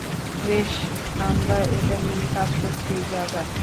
বেশ, আমরা এটা নিয়েই কাজ করছি, জাগা।